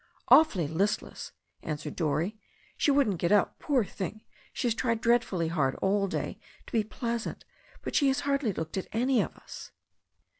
"Awfully listless/' answered Dorrie. "She wouldn't get up. Poor thing, she has tried dreadfully hard all day to be pleasant. But she has hardly looked at any of us."